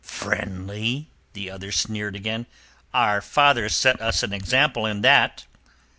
"Friendly?" The other sneered again. "Our fathers set us an example in that."